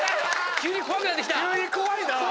急に怖いな。